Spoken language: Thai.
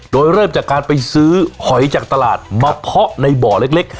โดยเริ่มจากการไปซื้อหอยจากตลาดมาเพาะในบ่อเล็ก